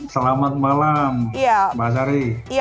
selamat malam mbak sari